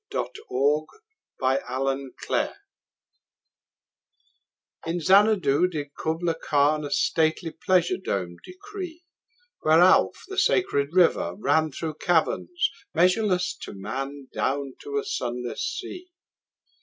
Kubla Khan IN Xanadu did Kubla Khan A stately pleasure dome decree: Where Alph, the sacred river, ran Through caverns measureless to man Down to a sunless sea.